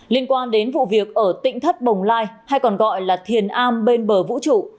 liên quan đến vụ việc ở tỉnh thất bồng lai hay còn gọi là thiền a bên bờ vũ trụ